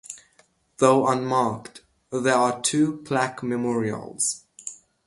Though unmarked, there are two plaque memorials.